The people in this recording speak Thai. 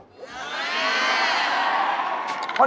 พี่บอล